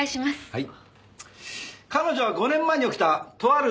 はい。